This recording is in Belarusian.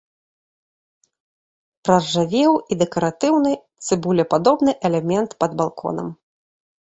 Праржавеў і дэкаратыўны цыбулепадобны элемент пад балконам.